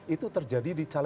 itu terjadi di dalamnya